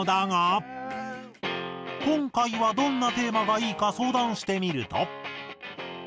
今回はどんなテーマがいいか相談してみると。